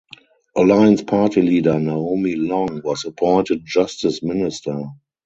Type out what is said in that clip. Alliance Party leader Naomi Long was appointed justice minister.